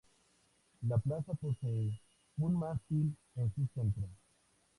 La plaza posee un mástil en su centro.